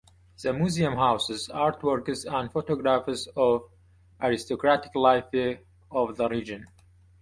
The museum houses artworks and photographs of aristocratic life of the region.